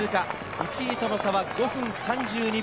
１位との差は５分３２秒。